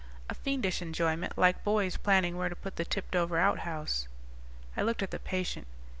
A fiendish enjoyment like boys planning where to put the tipped over outhouse." I looked at the patient.